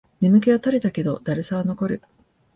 眠気は取れたけど、だるさは残る